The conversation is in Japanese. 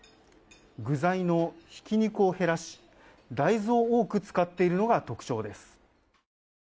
具材のひき肉を減らし大豆を多く使っているのが特徴です。